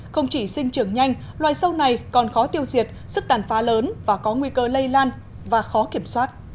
không chỉ sinh trưởng nhanh loài sâu này còn khó tiêu diệt sức tàn phá lớn và có nguy cơ lây lan và khó kiểm soát